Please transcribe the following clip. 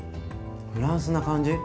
フランスな感じ